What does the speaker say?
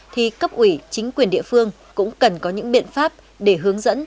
thì cấp ủy chính quyền địa phương cũng cần có những biện pháp để hướng dẫn